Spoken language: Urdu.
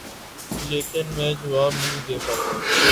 لیکن میں جواب نہیں دے پاتا ۔